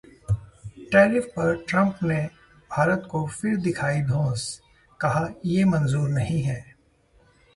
tariff पर Trump ने भारत को फिर दिखाई धौंस, कहा-ये मंजूर नहीं है